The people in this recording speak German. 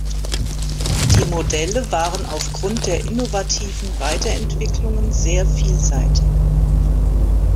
Die Modelle waren aufgrund der innovativen Weiterentwicklungen sehr vielseitig.